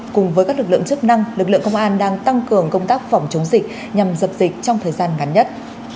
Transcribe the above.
cùng với các lực lượng chức năng lực lượng công an đang tăng cường công tác phòng chống dịch nhằm dập dịch trong thời gian ngắn nhất